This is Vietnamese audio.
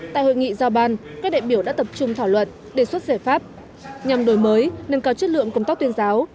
tại hội nghị giao ban các đại biểu đã tập trung thảo luận đề xuất giải pháp nhằm đổi mới nâng cao chất lượng công tác tuyên giáo